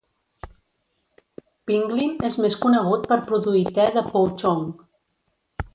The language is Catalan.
Pinglin és més conegut per produir te de pouchong.